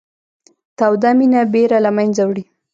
توده مینه بېره له منځه وړي